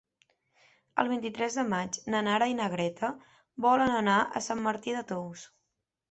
El vint-i-tres de maig na Nara i na Greta volen anar a Sant Martí de Tous.